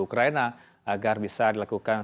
ukraina agar bisa dilakukan